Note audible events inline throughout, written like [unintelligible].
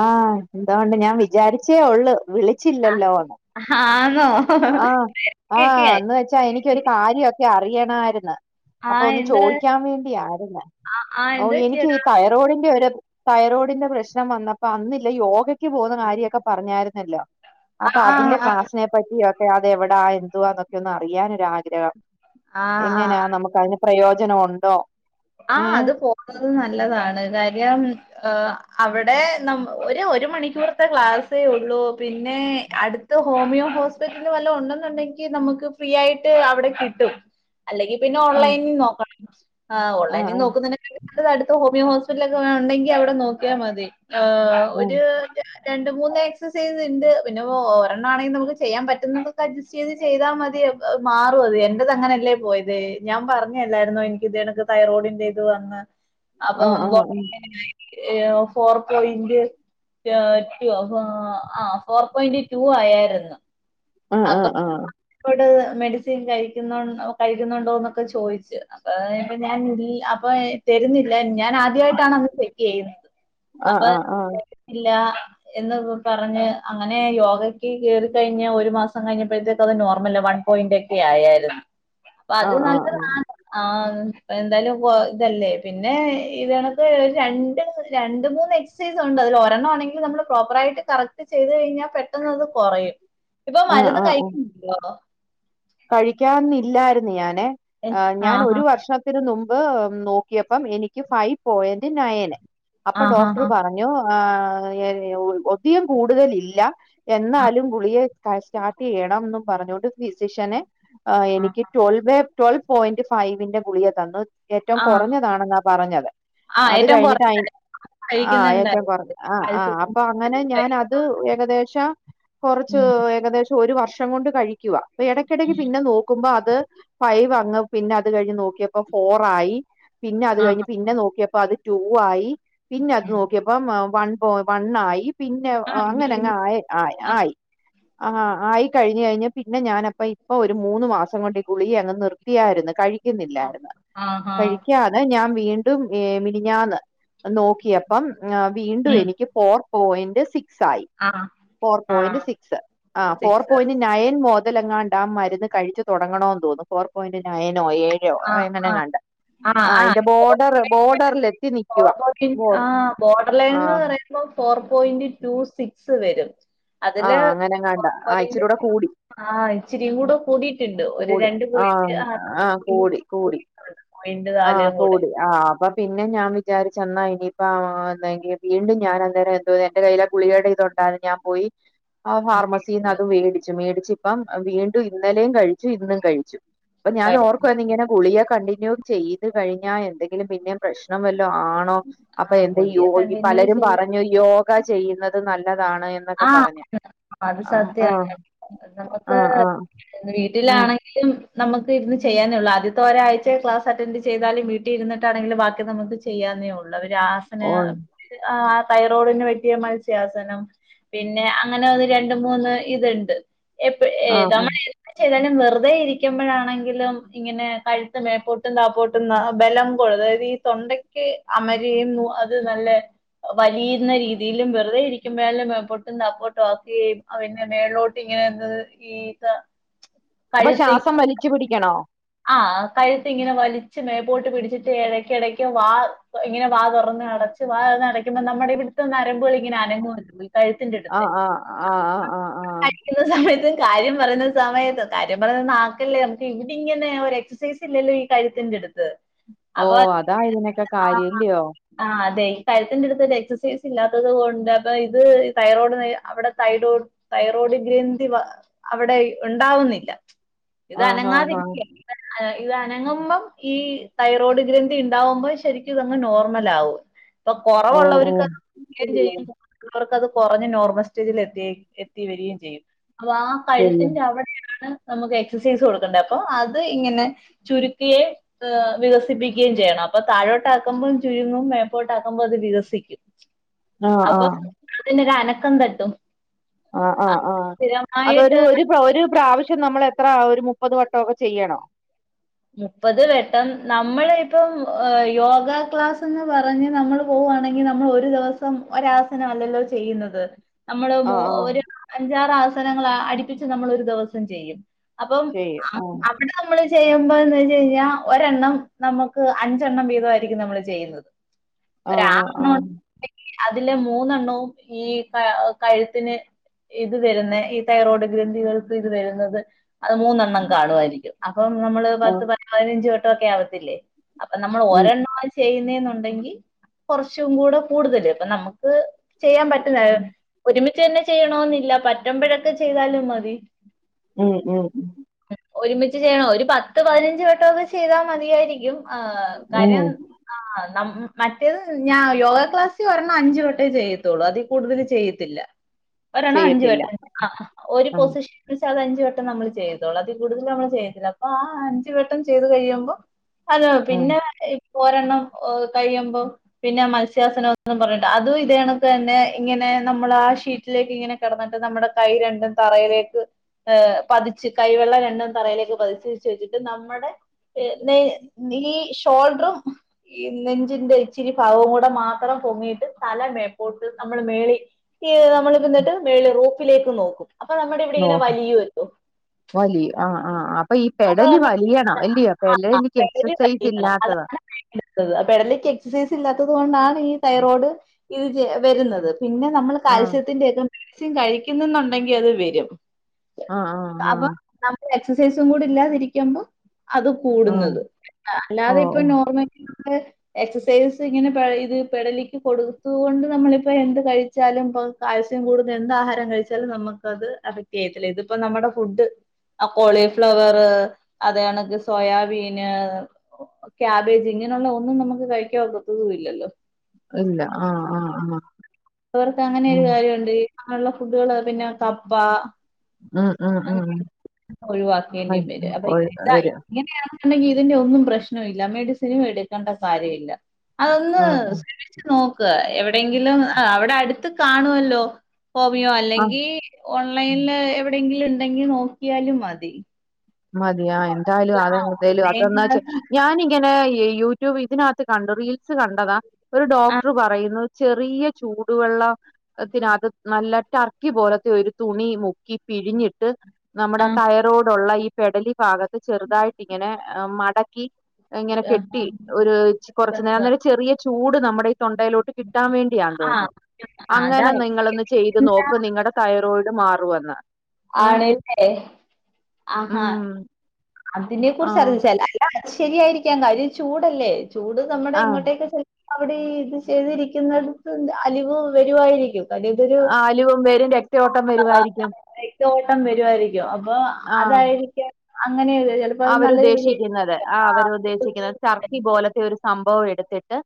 ആഹ് എന്തോഒണ്ട് ഞാൻ വിചാരിച്ചേ ഒള്ളു വിളിച്ചില്ലല്ലോന്ന് ആണോ തെര്ക്കൊക്കായി ക്ഷാ എനിക്കൊരു കാര്യക്കെ അറിയണമായിരുന്ന് ആ അപ്പൊ ഒന്ന് എന്ത് ചോയ്ക്കാൻ വേണ്ടിയാരുന്നേ ആ ഓ എന്ത് എനിക്ക് ഈ പറ്റിയെടാ? തയ റോയ്ഡിന്റെ ഒരു തൈറോയ്ഡിന്റെ പ്രശ്നം വന്നപ്പോ അന്നില്ലേ ഇ യോഗെ യ്ക്ക്പോകുന്ന കാര്യൊക്കെ പറഞ്ഞായിരുന്നല്ലോ ആ അപ്പൊ ആ അതിന്റെ ക്ലാസ്നെ പറ്റിയൊക്കെ അതെവെടാ എന്തുവാന്നൊക്കെ ഒന്ന് അറിയാനൊരാഗ്രഹം ആ ആ എങ്ങനെയാ നമുക്ക്തിനെ പ്രയോജനം ഒണ്ടോ ആ അത് പോകുന്നത് നല്ലതാണ് കാര്യം അവിടെ നമു ഒരു ഒരു മണിക്കൂറത്തെ ക്ലാസ്സേ ഒള്ളൂ പിന്നെ അടു ത്ത് ഹോമിയോ ഹോസ്പിറ്റല് വല്ലോം ഉണ്ടെന്നുണ്ടെങ്കി നമുക്ക് ഫ്രീ ആയിട്ട് അവിടെ കിട്ടും അല്ലെങ്കി പിന്നെ ആഹ് ഓൺലൈനിൽ ന്നോ ആ ഓൺലൈനിൽ ആഹ് നോക്കുന്നേനെ [inaudible] അടുത്ത് ഹോമിയോ ഹോസ്പിറ്റലൊക്കെ ഉണ്ടെങ്കി അവിടെ നോക്കിയാ മതി ആഹ് ഒര് [unintelligible] രണ്ട് മൂന്ന് എക്സർസൈസ്ണ്ട് പിന്നെ ഒരെണ്ണാണെങ്കിൽ നമുക്ക് ചെയ്യാൻ പറ്റുന്നതൊക്കെ ഇത് ചെയ്താൽ മതി മാറും അത് എൻന്റെത് അങ്ങനെയല്ലേ പോയതേ ഞാൻ പറഞ്ഞല്ലായിരുന്നോ എനിക്കിതേകണക്ക് തൈറോഡിന്റെ ഇത് വന്ന് അപ്പം ആഹ് ആഹ് [inaudible] ഏ ഫോർ പോയിന്റ് [unintelligible] ആ ഫോർ പോയിന്റ് ടു ആയേരുന്നു ആഹ് ആഹ് ആഹ് നോട് മെഡിസിൻ കഴിക്കൊന്നൊ കഴിക്കുന്നുണ്ടോന്നൊക്കെ ചോദിച്ച്ച് അപ്പൊ ഞാൻ ഈ അപ്പൊ തെരുന്നില്ല ഞാൻ ആദ്യായിട്ടാണ് അന്ന് ചെക്കെയ്യുന്നത് ആഹ് ആഹ് അപ്പൊ ആഹ് [inaudible] ഇല്ല എന്ന് പറഞ്ഞ് അങ്ങനെ യോഗക്ക് കേറി കഴിഞ്ഞാ ഒരു മാസം കഴിഞ്ഞപ്പോഴ്ത്തേക്ക് അത് നോർമലാ വൺ പോയിന്റൊക്കെ ആയായ്രുന്നു അപ്പൊ അത് ആഹ് ആഹ് ആഹ് ആഹ് ആഹ് നല്ലതാണ് ആഹ് എന്തായാലും വൊ ഇതല്ലേ പിന്നെ ഇതണക്ക് രണ്ട് രണ്ട് മൂന്ന് എക്സ് സൈസ്ണ്ട് അതിൽ ഒരെണ്ണാണെങ്കിൽ നമ്മള് പ്രോപ്പറായിട്ട് കറക്റ്റ് ചെയ്ത് കഴിഞ്ഞാ പെട്ടെന്നത് കൊറയും ഇപ്പൊ ആഹ് മരുന്ന് കഴിക്കുന്നുല്ലോ കഴിക്കാന്നില്ലായിരുന്നു ഞാനെ ഞാൻ ആഹ് ഒരു വർഷം ത്തിന് മുംബ് നോക്കിയപ്പൊ എനിക്ക് ഫൈവ് പോയിന്റ് നയന് അപ്പൊ ആഹ് ഡോക്ടർ ആഹ് ആഹ് പറഞ്ഞ് ആഹ് ഒധികം കൂടുതലില്ലാ ആഹ് എന്നാലും ഗുളിയെ സ്റ്റാർട്ടെയ്യണം ന്നും പറഞ്ഞോണ്ട് പ്ഷെനെ എനിക്ക് ആഹ് ട്വൽവ് ട്വൽവ് പോയിന്റ് ഫൈവിന്റെ ഗുളിയെ തന്നു ഏറ്റവും ആഹ് കുറഞ്ഞതാണെന്നാ പറഞ്ഞത് ആഹ് അത് ഏറ്റവും കഴിഞ്ഞിട്ട് ഐ കുറച്ച് ആഹ് ഏറ്റവും കൊറ് കഴിക്കുന്നുണ്ടായിരുന്നു ആ ആ കാൽസ്യത്തിന് അപ്പൊ അങ്ങനെ ഞാൻ അത് കഴിക്കുന്നുള്ളൂ ഏകദേശം കുറച്ച് ഉം ഏകദേശം ഒരു വർഷം കൊണ്ട് കഴിക്കുവാ അപ്പൊ എടക്കിടക്ക് ഉം പിന്നെ നോക്കുമ്പോ അത് ഫൈവ് അങ്ങ് പിന്നെ അത് കഴിഞ്ഞ് നോക്കിയപ്പോ ഫോറായി പിന്നെ അത് ആഹ് കഴിഞ്ഞ് പിന്നെ നോക്കിയപ്പോ അത് ടു ആയി പിന്നെ അത് നോക്കിയപ്പോം വൺ പോ വൺ ആയി പിന്നെ ആഹ് അങ്ങനെ അങ്ങ ആയി ആ ആഹ് ആയി ആ ആയിക്കഴിഞ്ഞഞ് കഴിഞ്ഞ പിന്നെ ഞൻ അപ്പ ഇപ്പൊ ഒരു മൂന്ന് മാസം കൊണ്ട് ഗുളി അങ്ങ് നിർത്തിയായിരുന്നു കഴിക്കുന്നില്ലായിരുന്നു ആഹ് ആഹ് കഴിക്കാ ഞാൻ വീണ്ടും മിനിഞ്ഞന്ന് നോക്കിയപ്പം വീണ്ടും ഉം എനിക്ക് ഫോർ പോയിന്റ് സിക്സ് ആയി ആഹ് ഫോർ പോയിന്റ് ആഹ് സിക്സ് ആ ഫോർ സിക്സ് പോയിന്റ് നയൻ മോതലങ്ങാ ഡാം മരുന്ന് കഴിച്ചു തുടങ്ങണോന്ന് തോന്നുന്നു ഫോർ പോയിന്റ് നയനോ ഏഴ് ോ ആഹ് ആഹ് എങ്ങനെങ്ങണ്ട ആഹ് ആ അതിന്റെ ആഹ് ബോർഡർ ബോർഡറൽ എത്തി ഫോർ നിക്കവാ ബോർഡർ ആഹ് ഇപ്പൊ ഫോർ പോയിന്റ് ടു സിക്സ് വരും അതില് ആഹ് അങ്ങനെങ്ങാണ്ട ഇച്ചരിടെ കൂടി ആഹ് ഇച്ചിരി കൂടെ കൂടിയിട്ടുണ്ട് ഒരു രണ്ട പോയിന്റ ആഹ് കൂ ടി കൂടി ആഹ് കൂ കൂടെ. ടി ആഹ് അപ്പൊ പിന്നെ ഞാൻ വിചാരിച്ചെന്നാ ഇനിയിപ്പ എന്തെങ്ക വീണ്ടും ഞാൻ അന്നേരം എന്റെ കയ്യിലെ ഗുളികടെ ഇതുണ്ടായിരുന്നു ഞാൻ പോയി ആഹ് ഫാർമസിന്ന് അത് മേടിച്ചു മേടിച് ഇപ്പം വീണ്ടും ഇന്നലെയും കഴിച്ചു ഇന്നും കഴിച്ചു അപ്പൊ ഞാ കഴി- ഓർക്കുവ ഇങ്ങന ഗുളിയെ കണ്ടി വല്ലതും ചെയ്ത് കഴിഞ്ഞാൽ എന്തെങ്കിലും പിന്നെയും പ്രശ്ന വല്ലോ ആ ണോ ആ അപ്പൊ എന്ത് ഗുളിക കണ്ടിന്യൂ പലരും ചെയ്ത് പറഞ്ഞു യോഗ ചെയ്യുന്നത് നല്ലതാണ് എന്ന് ആ പറഞ്ഞ് അത് ആഹ് സത്യാണ്. ആഹ് നമുക്ക് ആഹ് ആഹ് വീട്ടിലാണെങ്കിലും നമുക്ക് ഇരുന്ന് ചെയ്യാനൊള്ളൂ ആദ്യത്തെ ഒരാഴ്ച ക്ലാസ് അറ്റാൻഡ് ചെയ്താലും വീട്ടിൽ ഇരുന്നിട്ടാണെങ്കിൽ ബാക്കി നമുക്ക് ചെയ്യന്നെ ഒ ള്ളൂ അവര് ആസന ഓഹ് തൈറോയ്ഡിന് വറ്റിയ മത്സ്യാസനം പിന്നെ അങ്ങനെ ഒന്ന് രണ്ട് മൂന്ന് ഇത്ണ്ട് എപ്പഏ ആഹ് ആഹ് നമ്മള ചെലർ വെറുതെ ഇരിക്കുമ്പോഴാണെങ്കിലും ഇങ്ങനെ കഴുത്ത് മേപ്പോട്ടും താപട്ടും ബലം കൊ അതായത് ഈ തൊണ്ടക്ക് അമരിയും അത് നല്ല വലിയുന്ന രീതിയിലും വെറുതെ ഇരിക്കുമ്പല്ലം മേപ്പോ തപ്പൊട്ടും ആക്കി അവന്നെ മേലോട്ട് ഇങ്ങനെന്ത് ഈ അപ്പൊ ശ്വാസം വലിച്ചു പിടിക്കണോ ആഹ് കഴ്ത്ത് ഇങ്ങനെ വലിച്ച് മേപോട്ട് പിടിച്ചിട്ട് എടയ്ക്ക എടക്ക് വാ ഇങ്ങനെ വാ തുറന്ന് അടച്ച് വാ അടയ്ക്കുമ്പോ നമ്മുടെ ഇവിടുത്തെ ഞ്ഞരബ്ബുകൾ ഇങ്ങനെ അനങ്ങുവല്ലൊ ആഹ് ആഹ് ആഹ് ആഹ് ആഹ് ആഹ് കഴിക്കുന്ന സമയത്ത് കാര്യം പറയുന്ന സമയത്ത് കാര്യം പറയുന്ന നാക്കല്ലേ നമുക്ക് ഇവിടെ ഇങ്ങനെ ഒരു എക്സസൈസ് ഇല്ലല്ലോ ഈ കഴുത്തിൻ്റ അടുത്ത് ഓ അതാ ഇതിനൊക്കെ കാര്യല്ലയോ ആ് അതെഈ കയത്തിന്റെ അടുത്ത ഒരു എക്സസൈസ് ഇല്ലാത്തത് കൊണ്ട് അപ്പൊ ഇത് തൈറോഡ് അവിടെ തൈറോഡ് തൈറോഡ് ഗ്രഥി അവിടെ ഉണ്ടാവുന്നില്ല ഇത് ആഹ് ആഹ് അനങ്ങാതി ആഹ് ആഹ് ഇത് അനങ്ങുമ്പം ഈ തൈറോയ്ഡ് ഗ്രന്ഥി ഉണ്ടാവുമ്പോ ശരിക്കും ഇതങ്ങ് നോർമൽ ആവും ഇപ്പൊ ഓ ഓ കൊറവുള്ളവർക്ക് [unintelligible] ചെയ്യവർക്ക്ത് കുറഞ്ഞ് നോർമൽ സ്റ്റേജിൽ എത്തി എത്തി വരികയും ചെയ്യും അപ്പൊ ആ ശരിയാ കഴുത്തിന്റെ അവിടെയാണ് നമുക്ക് എക്സസൈസ് കൊടുക്കേണ്ടത് അപ്പൊ അത് ഇങ്ങനെ ചുരുക്കിയെ വികസിപ്പിക്കുകയും ചെയ്യണം അപ്പൊ താഴോട്ട് ആക്കുമ്പോം ചുരുങ്ങും മേപ്പോട്ട് ആക്കുമ്പോൾ അത് വികസിക്കും [inaudible] ആഹ് അപ്പൊ ആഹ് അതിനൊരു അനക്കം തട്ടും ആഹ് ആഹ് സ്ഥിരമായിട്ട് അതൊരു ഒരു ഒരു പ്രാവശ്യം നമ്മൾ എത്ര ഒരു മുപ്പത് വട്ടൊ ക്കെ ചെയ്യണം മുപ്പത് വെട്ടം നമ്മൾ ഇപ്പം യോഗാ ക്ലാസ് എന്ന് പറഞ്ഞ് നമ്മൾ പോവവാണെങ്കിൽ നമ്മൾ ഒരു ദിവസം ഒരാസന അല്ലല്ലോ ചെയ്യുന്നത് നമ്മള് മ് ആഹ് ആഹ് ഒരു അഞ്ചാറ് ആസനങ്ങൾ അടിപ്പിച്ച് നമ്മള് ഒരു ദെവസം ചെയ്യും അപ്പം ചെയ്യും ആഹ് അവിടെ നമ്മള് ചെയ്യും [unintelligible] വെച്ച് കഴിഞ്ഞാ ഒരെണ്ണം നമുക്ക് അഞ്ചെണ്ണം വീതമായിയിരിക്കും നമ്മള് ചെയ്യുന്നത് ആഹ് ആഹ് ഒരാറെണ്ണം ആഹ് ഒണ്ടെങ്കി അതില് മൂന്നെണ്ണവും ഈ കഴുത്തിന് ഇത് വരുന്നെ ഈ തൈറോഡ് ഗ്രന്ഥികൾക്ക് ഇത് വരുന്നത് അത് മൂന്നെണ്ണം കാണുവായിരിക്കും അപ്പം നമ്മള് പത്ത് പ പതിനഞ്ച് വട്ടവൊക്കെ ആവത്തില്ലേ അപ്പൊ നമ്മൾ ഉം ഒരെണ്ണവാ ചെയ്യുന്നെന്നുണ്ടെങ്കിൽ കുറച്ചും കൂടെ കൂടുതല് അപ്പൊ നമുക്ക് ചെയ്യാൻ പറ്റുന്നതാ ഒരുമിച്ച് തന്നെ ചെയ്യണമെന്നില്ല പറ്റുമ്പോഴൊക്കെ ചെയ്താലും മതി ഉം ഉം ഉം ഒരുമിച്ച് ചെയ്യണം ഒരു പത്ത് പതിനഞ്ച് വട്ടമൊക്കെ ചെയ്താൽ മതിയായിരിക്കും ആഹ് കാര്യം ഉം. ആഹ് നമ്മ മറ്റേത് ഞാൻ യോഗ ക്ലാസ് ഒരെണ്ണം അഞ്ച വട്ടേ ചെയ്യത്തുള്ളൂ അതീ കൂടുതല് ചെയ്യത്തില്ല ഒരണ്ണം അഞ്ച ചെയ്യത്തില്ല വട്ടം ഒരു ആഹ് പൊസിഷൻ അത് അഞ്ച വട്ടം നമ്മള് ചെയ്തോളും അതി കൂടുതലും നമ്മള് ചെയ്യത്തില്ല അപ്പൊ ആ അഞ്ചുവട്ടം ചെയ്ത് കഴിയുമ്പോ അതോ ആഹ് പിന്നെ ഏഹ് ഒരെണ്ണം കഴിയുമ്പോ പിന്നെ മത്സ്യാസനം ന്നും പറഞ്ഞിട്ട് അതും ഇതേകണക്ക് തന്നെ ഇങ്ങനെ നമ്മൾ ആ ഷീറ്റിലേക്ക് ഇങ്ങനെ കിടന്നിട്ട് നമ്മുടെ കൈ രണ്ടും തറയിലേക്ക് ഏഹ് പതിച്ച് കൈവെള്ള രണ്ടും തറയിലേക്ക് പതിച്ച് ച്ചുവെച്ചിട്ട് നമ്മുടെ ഈ ഷോൾഡറും ഈ നെഞ്ചിന്റെ ഇച്ചിരി ഭാഗവും കൂടെ മാത്രം പൊങ്ങിയിട്ട് തല മേപോട്ട് നമ്മൾ മേളി ഈ നമ്മള് പിന്നിട്ട് മേളി റൂഫിലേക്ക് നോക്കും അപ്പൊ നമ്മുടെ ഇവിടെ ഇങ്ങനെ വലിയുവല്ലോ വലി ആഹ് ആഹ് അപ്പൊ ഈ അപ്പൊ പെടലി നമ്മുടെ വലിയണം അല്ലയോ പെടലി എനിക്ക് പെടലി എക്സസൈസ് വലിയണം ഇല്ലാത്തതാ പെടലിക്ക് എക്സസൈസ് ഇല്ലാത്തത് കൊണ്ടാണ് ഈ തൈറോയ്ഡ് ഇത് വരുന്നത് പിന്നെ നമ്മൾ ആഹ് കാൽസ്യത്തിന്റെയൊക്കെ മെഡിസിൻ കഴിക്കുന്നുന്നുണ്ടെങ്കിൽ അത് വരും ആഹ് ആഹ് അപ്പൊ ആഹ് നമ്മള് എക്സസൈസും കൂടി ഇല്ലാതിരിക്കുമ്പോ അതു ആഹ് കൂടുന്നത് ഓ അല്ലാതെ ഇപ്പൊ ഓ നോർമലി നമ്മള് എക്സസൈസ് ഇങ്ങനെ ഇത് പെടലിക്ക് കൊടുത്തുകൊണ്ട് കൊണ്ട് നമ്മളിപ്പ എന്ത് കഴിച്ചാലും ഇ കാൽസ്യം കൂടുന്ന എന്താഹാരം കഴിച്ചാലും നമുക്കത് എഫക്ട് ചെയ്യത്തില്ല ഇതിപ്പോ നമ്മുടെ ഫുഡ് ആഹ് കോളിഫ്ലവർ അത്കണക്ക് സോയാബീന് ക്യാബേജ് ഇങ്ങനെയുള്ള ഒന്നും നമുക്ക് കഴിക്കാനൊക്കത്തു ഇല്ലല്ലോ ഇല്ല ആഹ് ആഹ് ആഹ് അവർക്ക് അങ്ങനെൊരു ഉം കാര്യവൊണ്ട് അങ്ങനെയുള്ള ഫുഡുകള് പിന്നെ കപ്പ ഉം ഉം ഉം അങ്ങനെ [inaudible] ഒഴിവാക്കേണ്ടീം ഉം വരും അപ്പൊ ഓര് ഇതാ വരും ഇങ്ങനെയാണെന്നുണ്ടെങ്കിൽ ഇതിന്റെ ഒന്നും പ്രശ്നവില്ല മെഡിസിനും എടുക്കേണ്ട കാര്യമില്ല അതൊന്ന് ഉം ഉം [unintelligible] ച്ചുനോക്ക് എവിടെയെങ്കിലും അവിടെ അടുത്ത് കാണുവല്ലോ ഹോമിയോ ആഹ് അല്ലെങ്കി ഓൺലൈനില് എവിടെങ്കിലും ഇണ്ടെങ്കി നോക്കിയാലും മതി മതിയ എന്തായാലും ആ അതെന്തേലും ഓൺലൈൻ അതന്നാച്ച ക്ലാസ് ഞാനിങ്ങനെ യൂ ടൂബ് ഇതിനകത്ത് കണ്ടു റീൽസ് കണ്ടതാ ഒരു ആ ഡോക്ടർ പറയുന്നു ചെറിയ ചൂടുവെള്ളത്തിനാത്ത് നല്ല ടർക്കി പോലത്തെ ഒരു തുണി മുക്കി പിഴിഞ്ഞിട്ട് നമ്മുടെ ആ തൈറോയ്ഡൊള്ള ഈ പെടലി ഭാഗത്ത് ചെറുതായിട്ട് ഇങ്ങനെ മടക്കി ഇങ്ങനെ ആ കെട്ടി ഒരു കൊറച്ച് നേരം ചെറിയ ചൂട് നമ്മുടെ ഈ തൊണ്ടയിലോട്ട് കിട്ടാൻ വേണ്ടിയാന്ന് ആ ആ, തോന്നുന്നു അതാ അങ്ങനെ നിങ്ങളൊന്ന് ചെയ്ത് നോക്ക് നിങ്ങളുടെ തൈറോയിഡ് മാറുവെന്ന് ഏഹ്. ആണല്ലേ ആഹാ ഉം. അതിനെ കുറിച്ച് ആഹ്. അറിച്ചാല് ആ ശരിയായിരിക്കാം കാര്യം ചൂടല്ലേ ചൂട് നമ്മുടെ ആഹ്. ഇങ്ങോട്ടേക്കെ അവിടെ ഇത് ചെയ്തിരിക്കുന്നടത്ത് അലിവ് വരുവായിരിക്കും കാര്യം ഇതൊരു അലിവും വരും രക്തയോട്ടം വരുവായിരിക്കും രക്ത ഓട്ടം വരുവായിരിക്കും അപ്പൊ അതായിരിക്കാം അങ്ങനെ ചെല അവരു ഉദ്ദേശിക്കുന്നത് ആ അവരു ഉദ്ദേശിക്കുന്നത് ചർ അതെ. ത്തി പോലത്തെ ഒരു സംഭവം എടുത്തിട്ട്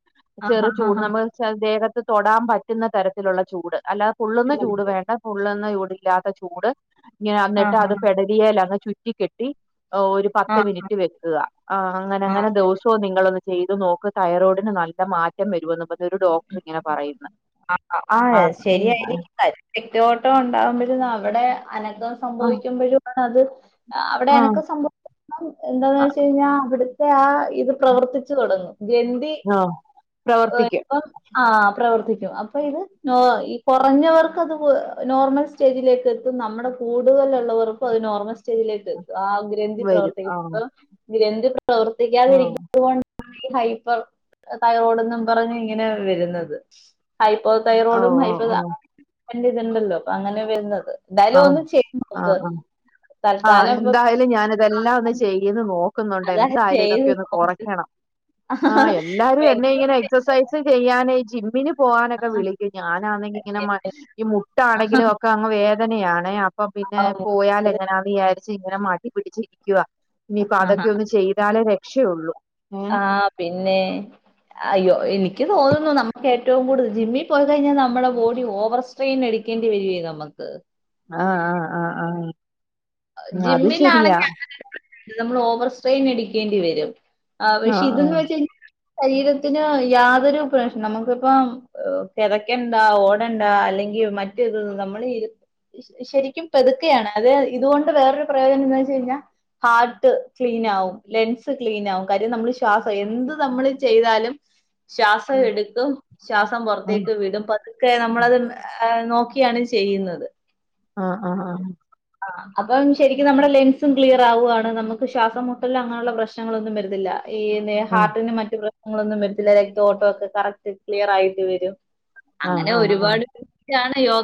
ആ ഹാ ചെറു ഹാ ചൂട് ഹാ. നമ്മൾ ച്ച ദേഹത്ത് തൊടാൻ പറ്റുന്ന തരത്തിലുള്ള ചൂട് അല്ലാതെ പൊള്ളുന്ന ചൂട് വേണ്ട പൊള്ളുന്ന ചൂട് ഇല്ലാത്ത ചൂട് ഇനെ ആ അന്നിട്ട് ഹാ അത് ഹാ. പെടലിയിൽ അങ്ങ് ചുറ്റി കെട്ടി ഒരു ആ പത്ത് മിനിറ്റ് വെക്കുക ആഹ് അങ്ങനെ ആ അങ്ങനെ ദിവസവും നിങ്ങള ഒന്ന് ചെയ്തു നോക്ക് തൈറോയിഡിന് നല്ല മാറ്റം വരുമെന്ന് ഒരു ഡോക്ടർ ഇങ്ങനെ പറയുന്നു ആ ആ ആഹ് ഉം ശരിയായിരിക്കാം രക്ത ഓട്ടം ഉണ്ടാവുമ്പോഴന്ന് അവിടെ അനക്കം ആ സംഭവിക്കുമ്പോഴും ആണ് അത് അവിടെ ആ അനക്കം സംഭവ എന്താന്ന് ആ വെച്ച് കഴിഞ്ഞാൽ അവിടുത്തെ ആ ഇത് പ്രവർത്തിച്ചു തുടങ്ങും ഗ്രന്തി ആ, പ്രവർത്തിക്കും ഇപ്പം ആ പ്രവർത്തി ക്കും അപ്പൊ ഇത് നോ ഈ കുറഞ്ഞവർക്കത് നോർമൽ സ്റ്റേജിലേക്ക് എ- നമ്മുടെ കൂടുതലുള്ളള്ളവർക്കും അത് നോർമൽ സ്റ്റേജിലേക്ക് ആകും ഗ്രന്തി വരും ആ പ്രവർത്തിക്കപ്പം ഗ്രന്തി ആ പ്രവർത്തിക്കാതിെരിക്ക അതുകൊണ്ടാണ് ഈ ഹൈപ്പർ തൈറോയ്ഡ്ന്നും പറഞ് ഇങ്ങനെ വരുന്നത് ഹൈപ്പോ ഓ ഓ തൈറോഡും ഹൈപ്പോ ഓ ഇതുണ്ടല്ലോ അപ്പൊ അങ്ങനെ വരുന്നത് ആ എന്തായാലും ഒന്ന് ചെക്കിത് ആ നോക്ക് ആ ആഹ് തൽക്കാലം ഇപ്പൊ എന്തായാലും ഞാനിതെല്ലാം ഒന്ന് ചെയ്യന്ന് നോക്കുന്നുണ്ട് അതാ എന്തായാലും ചെയ്ത് ഇതൊക്കെ ഒന്ന് നോക്ക് കുറയ്ക്കണം ആഹ് എല്ലാരും എന്നെ വെറുതെ ഇങ്ങനെ എക്സസൈസ് ചെയ്യാനെയ് ജിമ്മിന് പോകാനൊക്കെ വിളിക്കും ഞാനാണെങ്കി ഇങ്ങനെ മടി ഈ മുട്ടാണെങ്കിലോ ഒക്കെ അങ്ങ് വേദനയാണേ അപ്പൊ പിന്നെ പോയാൽ എങ്ങനാ വിചാരിച്ച ഇങ്ങനെ മടി പിടിച്ചിരിക്കുവ ഇനിയിപ്പോ അതൊക്കെ ഒന്ന് ചെയ്താലേ രക്ഷയുള്ളൂ ഏഹ് ആഹ് പിന്നെ അയ്യോ എനിക്ക് തോന്നുന്നു നമുക്ക് ഏറ്റവും കൂടുതൽ ജിമ്മിൽ പോയി കഴിഞ്ഞാൽ നമ്മുടെ ബോഡി ഓവർ സ്ട്രെയിൻ എടുക്കേണ്ടി വരികേ നമുക്ക് ആഹ് ആഹ് ആഹ് ആഹ് അത് ശെരിയാ ജിമ്മിലാണെങ്കിൽ നമ്മൾ ഓവർ സ്ട്രെയിൻ എടിക്കേണ്ടി വരും പക്ഷെ ആഹ് ഇതന്ന് ആഹ് വെച്ച് ശരീരത്തിനോ യാതൊരു പ്രശന നമുക്കിപ്പം കിതക്കണ്ടാ ഓടണ്ട അല്ലെങ്കിൽ മറ്റത് നമ്മൾ ശരിക്കും പെതുക്കുകയാണ് അതെ ഇതുകൊണ്ട് വേറൊരു പ്രയോജനം എന്താ വെച്ച് കഴിഞ്ഞാ ഹാർട്ട് ക്ലീനാകും ലെൻസ് ക്ലീനാകും കാര്യം നമ്മൾ ശ്വാസ എന്ത് നമ്മള് ചെയ്താലും ശ്വാസം എടുക്കും ശ്വാസം ആഹ് പുറത്തേക്ക് വിടും പത്ത് ഒക്കെ നമ്മളത് നോക്കിയാണ് ചെയ്യുന്നത് ആഹ് ആഹ് ആ ആ അപ്പം ശരിക്കും നമ്മുടെ ലെൻസും ക്ലിയർ ആവുവയാണ് നമുക്ക് ശ്വാസം മുട്ടല് അങ്ങനുള്ള പ്രശ്നങ്ങളൊന്നും വരുന്നില്ല ഈ നെ ഹാർട്ടിന് മറ്റു പ്ര ങ്ങളൊന്നും വരത്തില്ല രക്ത ഓട്ടോ ഒക്കെ കറക്റ്റ് ക്ലിയർ ആയിട്ട് വരും ആഹ് അങ്ങനെ ആഹ് ആഹ് ഒരുപാട് റ്റാണ യോ